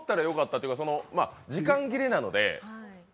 時間切れなので。